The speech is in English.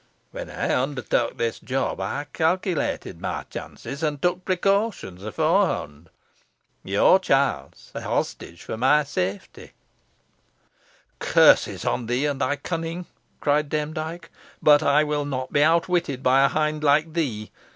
Whon ey ondertook this job ey calkilated mey chances, an' tuk precautions eforehond. Your chilt's a hostage fo mey safety." "Curses on thee and thy cunning," cried Demdike; "but I will not be outwitted by a hind like thee.